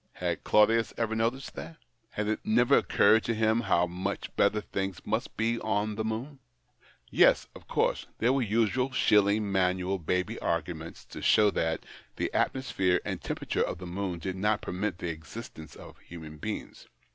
Had Claudius ever noticed that ? And had it never occurred to him how much better things must be on the moon ? Yes, of course, there were the usual shilling manual baby's arguments to show that the atmosphere and temperature of the moon did not permit the existence of human beings.